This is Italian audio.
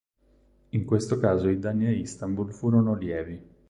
In questo caso i danni a Istanbul furono lievi.